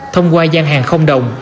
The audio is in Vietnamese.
thông qua gian hàng không đồng